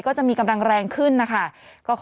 ก็จะมีกำลังแรงขึ้นนะคะ